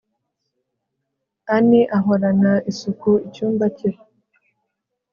Ann ahorana isuku icyumba cye